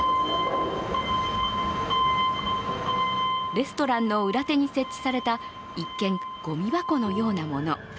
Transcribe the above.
レストランの裏手に設置された一見、ごみ箱のようなもの。